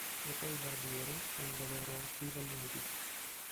E poi Barbieri con la loro "W il lunedì!